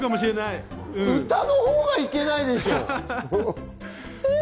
歌のほうが行けないでしょう。